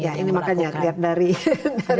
ya ini makanya lihat dari